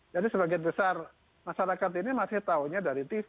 jadi sebagian besar masyarakat ini masih tahunya dari tv